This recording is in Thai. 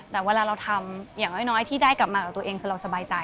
แต่เวลาเราทำอย่างน้อยที่ได้กลับมากับตัวเองคือเราสบายใจ